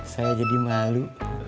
saya jadi malu